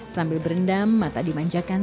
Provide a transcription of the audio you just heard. sambil berendam mata dimanjakan